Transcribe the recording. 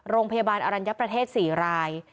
โรงพยาบาลอรัญญประเทศ๔ราย